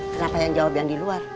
kenapa yang jawab yang di luar